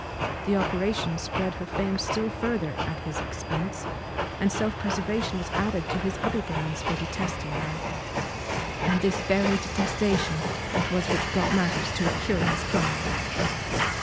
The operation spread her fame still further at his expense, and self preservation was added to his other grounds for detesting her. And this very detestation it was which brought matters to a curious climax.